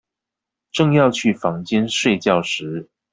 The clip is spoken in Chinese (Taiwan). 正要去房間睡覺時